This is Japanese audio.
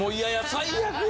最悪や！